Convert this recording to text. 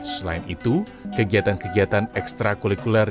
selain itu kegiatan kegiatan ekstra kulikuler